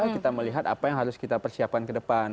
kita melihat apa yang harus kita persiapkan ke depan